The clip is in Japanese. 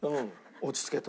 落ち着けと。